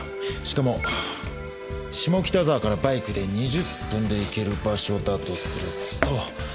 しかも下北沢からバイクで２０分で行ける場所だとすると。